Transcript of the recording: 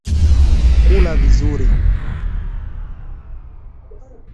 kula vizuri